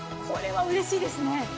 これはうれしいですね。